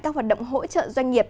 các hoạt động hỗ trợ doanh nghiệp